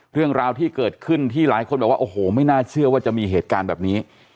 เรื่องราวที่เกิดขึ้นที่หลายคนบอกว่าโอ้โหไม่น่าเชื่อว่าจะมีเหตุการณ์แบบนี้